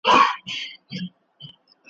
نا آشنا سور ته مو ستونی نه سمیږي .